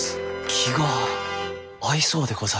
気が合いそうでござるなあ。